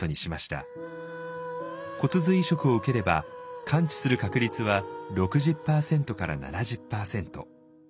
骨髄移植を受ければ完治する確率は６０％から７０％。